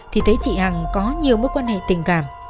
thì thấy chị hằng có nhiều mối quan hệ tình cảm